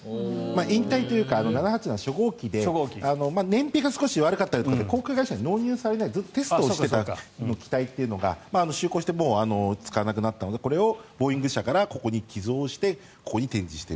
引退というか７８７は初号機で燃費が少し悪くて航空会社に納入されずずっとテストをしていた機体というのが、就航してもう使わなくなったのでボーイング社からここに寄贈してると。